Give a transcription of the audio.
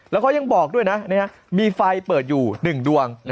แล้วเขายังบอกด้วยนะมีไฟเปิดอยู่๑ดวง